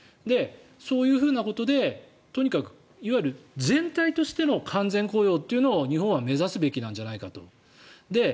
そういうことでとにかくいわゆる全体としての完全雇用というのを日本は目指すべきなんじゃないかと。